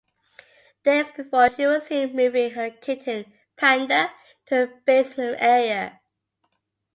Days before she was seen moving her kitten, Panda, to a basement area.